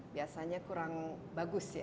biasanya kurang bagus ya